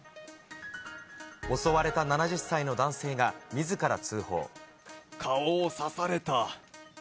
襲われた７０歳の男性がみずから顔を刺された。